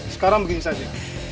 sekarang begini saja